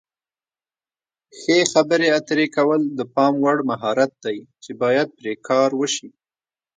ښې خبرې اترې کول د پام وړ مهارت دی چې باید پرې کار وشي.